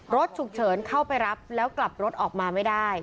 รถฉุกเฉินเข้าไปรับแล้วกลับรถออกมาไม่ได้